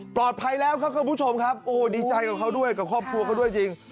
ปลอดภัยแล้วครับคุณผู้ชมครับโอ้ดีใจกับเขาด้วยกับครอบครัวเขาด้วยจริง